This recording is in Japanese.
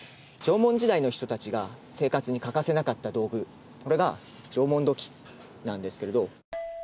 縄文時代の人たちが生活に欠かせなかった道具それが縄文土器なんですけれど。